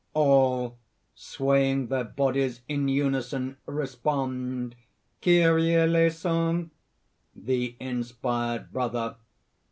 ALL (swaying their bodies in unison, respond): "Kyrie eleison!" THE INSPIRED BROTHER.